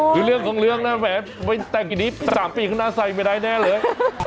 คือเรื่องของเรื่องนะแหมไปแต่งกี่นี้๓ปีข้างหน้าใส่ไม่ได้แน่เลย